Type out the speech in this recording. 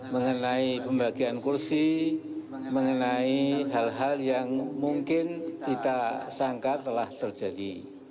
mengenai pembagian kursi mengenai hal hal yang mungkin kita sangka telah terjadi